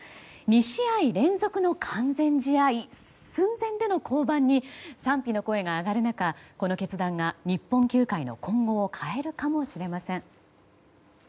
２試合連続の完全試合寸前での降板に賛否の声が上がる中この決断が日本球界の今後を変えるかもしれません。